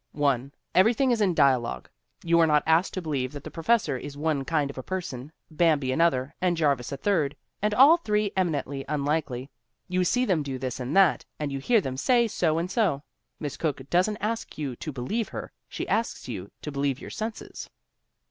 1. Everything is in dialogue. You are not asked to believe that the Professor is one kind of a person, Bambi another, and Jarvis a third, and all three emi nently unlikely; you see them do this and that and you hear them say so and so. Miss Cooke doesn't ask you to believe her, she asks you to believe your senses